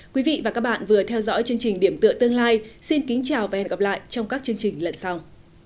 quý vị và các bạn vừa theo dõi chương trình điểm tựa tương lai xin kính chào và hẹn gặp lại trong các chương trình lần sau